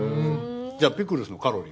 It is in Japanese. じゃあピクルスのカロリーは？